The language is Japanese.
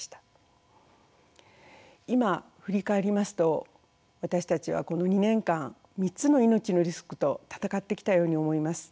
今振り返りますと私たちはこの２年間３つの命のリスクと闘ってきたように思います。